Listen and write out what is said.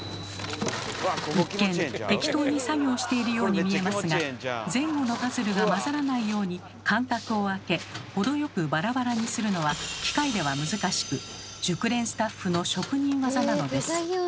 一見適当に作業しているように見えますが前後のパズルが交ざらないように間隔を空け程よくバラバラにするのは機械では難しく熟練スタッフの職人技なのです。